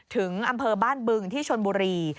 ถึงอำเภอบ้านบึงที่ชนบุรี